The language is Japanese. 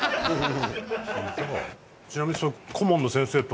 ちなみに。